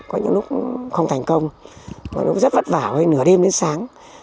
có những lúc không thành công có những lúc rất vất vả nửa đêm đến sáng